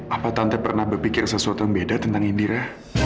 apa tante pernah berpikir sesuatu yang beda tentang indira